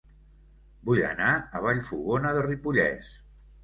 Vull anar a Vallfogona de Ripollès